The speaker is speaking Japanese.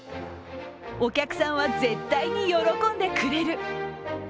お客さんは絶対に喜んでくれる。